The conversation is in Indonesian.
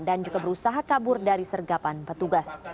dan juga berusaha kabur dari sergapan petugas